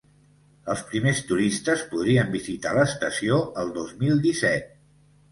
Els primers turistes podrien visitar l’estació el dos mil disset.